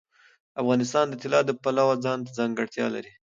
افغانستان د طلا د پلوه ځانته ځانګړتیا لري.